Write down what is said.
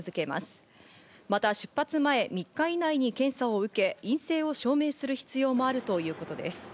また出発前３日以内に検査を受け、陰性を証明する必要もあるということです。